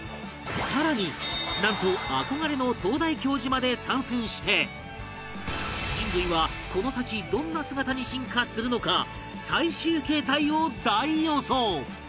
更になんと憧れの東大教授まで参戦して人類はこの先どんな姿に進化するのか最終形態を大予想！